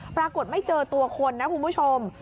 ปรากฏไม่เจอตัวคนนะคุณผู้ชม